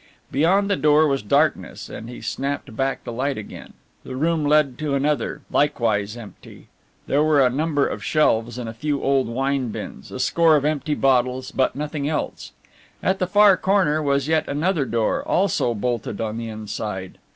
Beyond the door was darkness and he snapped back the light again. The room led to another, likewise empty. There were a number of shelves, a few old wine bins, a score of empty bottles, but nothing else. At the far corner was yet another door, also bolted on the inside.